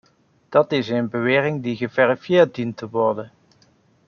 Dat is een bewering die geverifieerd dient te worden.